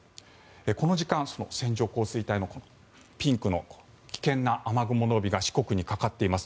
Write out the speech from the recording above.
この時間、線状降水帯のピンクの危険な雨雲の帯が四国にかかっています。